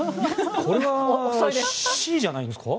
これはＣじゃないですか？